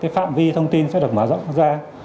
phạm vi thông tin sẽ được mở rộng ra